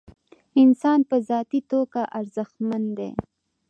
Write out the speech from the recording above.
انسان په ذاتي توګه ارزښتمن دی.